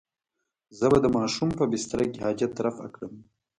زه به د ماشوم په بستره کې حاجت رفع کړم.